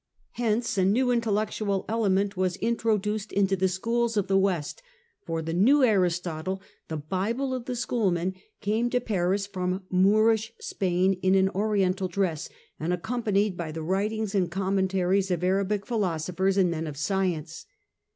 Hence a new intellectual I THE COMING OF THE FRIARS 237 element was introduced into the schools of the West, for the " Kew Aristotle," the " Bible of the Schoolmen," came to Paris from Moorish Spain, in an oriental dress, and accompanied by the writings and commentaries of Arabic philosophers and men of science.